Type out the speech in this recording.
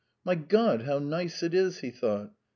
"My God, how nice it is!" he thought.